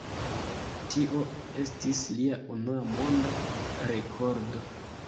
Tio estis lia unua monda rekordo.